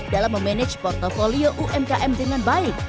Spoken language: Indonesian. dalam memanage portfolio umkm dengan baik